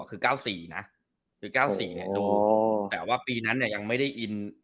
คือ๙๔นะคือ๙๔เนี่ยดูแต่ว่าปีนั้นเนี่ยยังไม่ได้อิน